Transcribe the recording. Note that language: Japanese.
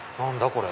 これ。